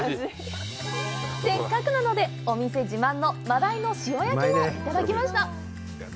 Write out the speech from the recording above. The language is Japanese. せっかくなのでお店自慢の真鯛の塩焼きもいただきました！